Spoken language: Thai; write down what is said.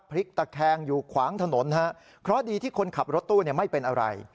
พลิกตะแคงอยู่ขวางถนนฮะเพราะดีที่คนขับรถตู้ไม่เป็นอะไร